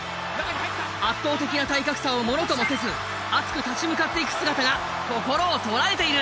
圧倒的な体格差をもろともせず熱く立ち向かっていく姿が心を捉えている。